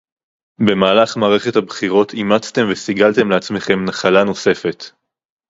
במהלך מערכת הבחירות אימצתם וסיגלתם לעצמכם נחלה נוספת